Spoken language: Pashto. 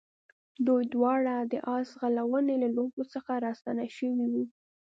دوی دواړه د آس ځغلونې له لوبو څخه راستانه شوي وو.